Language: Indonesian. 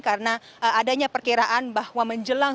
karena adanya perkiraan bahwa menjelang